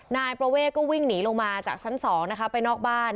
นายประเวทก็วิ่งหนีลงมาจากชั้น๒นะคะไปนอกบ้าน